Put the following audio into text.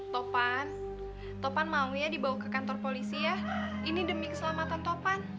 topan topan mau ya dibawa ke kantor polisi ya ini demi keselamatan topan